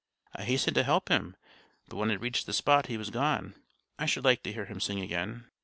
I hastened to help him, but when I reached the spot he was gone. I should like to hear him sing again."